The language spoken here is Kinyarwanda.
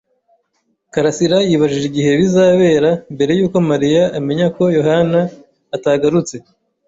karasira yibajije igihe bizabera mbere yuko Mariya amenya ko Yohana atagarutse.